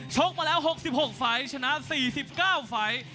กมาแล้ว๖๖ไฟล์ชนะ๔๙ไฟล์